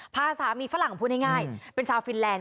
พาสามีฝรั่งพูดง่ายเป็นชาวฟินแลนด